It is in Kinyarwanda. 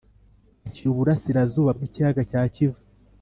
ashyira Uburasirazuba bw’ikiyaga cya kivu